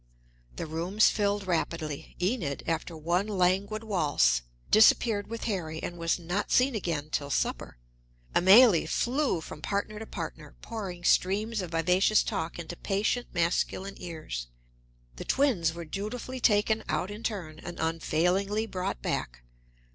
The rooms filled rapidly. Enid, after one languid waltz, disappeared with Harry and was not seen again till supper. Amélie flew from partner to partner, pouring streams of vivacious talk into patient masculine ears. The twins were dutifully taken out in turn and unfailingly brought back.